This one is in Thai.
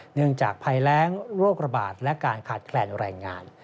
เนื่องจากภัยแร้งโรคประบาดและการขาดแกล่นแรงงาน